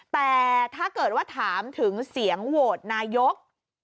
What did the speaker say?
แต่ถ้าเกิดว่าถามถึงเสียงโหวตนายก